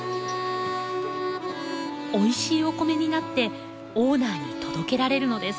おいしいお米になってオーナーに届けられるのです。